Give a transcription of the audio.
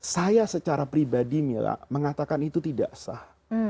saya secara pribadi mila mengatakan itu tidak sah